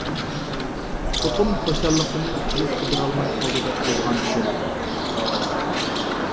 چوقۇم خۇشاللىقىنى ئىچىگە سىغدۇرالماي قالىدۇ دەپ ئويلىغان ئىدىم.